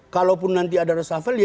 kalaupun nanti ada reshuffle